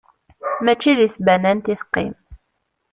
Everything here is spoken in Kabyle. Mačči deg tbanant i teqqim!